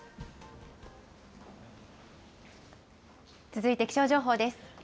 続いて気象情報です。